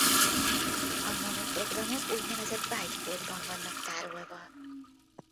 A Mono programok úgynevezett bájtkódban vannak tárolva.